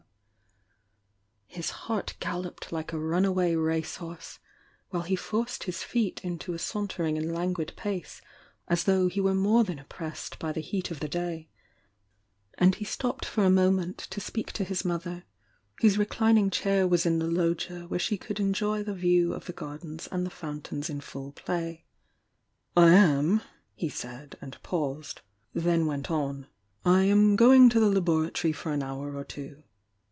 800 THE YOUNG DIANA His heart galloped like a run away race horse, while he forced his feet into a sauntering and languid pace as though he were more than oppressed by the heat of the day, — and he stopped for a moment to speak to his mother, whose rec'ining chair was in the loggia where she could enjoy the view of the gardens and the fountains in full play. "I am —" he said, and paused, — then went on — "I am going to the laboratory for an hour or two.